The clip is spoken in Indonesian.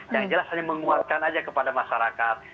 yang jelas hanya menguatkan aja kepada masyarakat